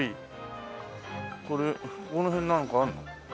これここら辺なんかあるの？